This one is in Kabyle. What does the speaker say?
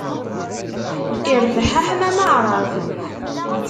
Irbeḥ aḥmam aɛṛab.